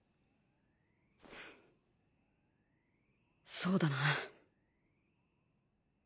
そうだな。